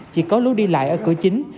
chỉ có lối đi lại ở cửa chính